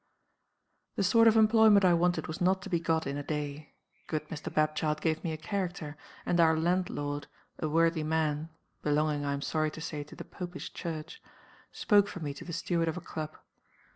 "The sort of employment I wanted was not to be got in a day. Good Mr. Bapchild gave me a character; and our landlord, a worthy man (belonging, I am sorry to say, to the Popish Church), spoke for me to the steward of a club.